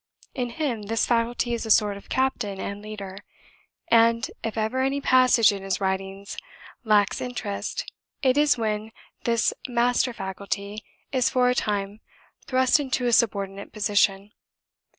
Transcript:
In him this faculty is a sort of captain and leader; and if ever any passage in his writings lacks interest, it is when this master faculty is for a time thrust into a subordinate position.